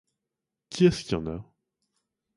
Qui est-ce qui en a?